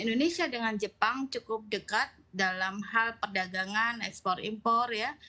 indonesia dengan jepang cukup dekat dalam hal perdagangan ekspor impor ya